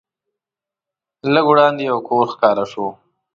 لږ وړاندې یو کور ښکاره شو.